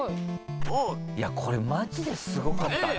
いやこれマジですごかったな。